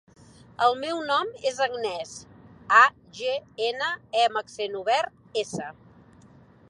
El meu nom és Agnès: a, ge, ena, e amb accent obert, essa.